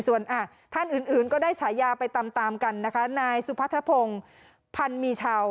ส่วนท่านอื่นก็ได้ฉายาไปตามตามกันนะคะนายสุพัทธพงศ์พันมีชาว